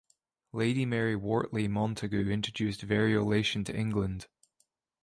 Lady Mary Wortley Montagu introduced variolation to England.